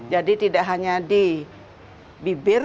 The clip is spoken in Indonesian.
jadi tidak hanya di